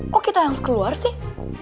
kok kita harus keluar sih